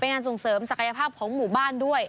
งานส่งเสริมศักยภาพของหมู่บ้านด้วย